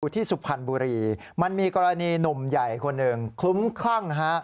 ที่สุพรรณบุรีมันมีกรณีหนุ่มใหญ่คนหนึ่งคลุ้มคลั่งฮะ